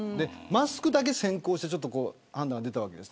マスクだけ先行して判断が出たわけです。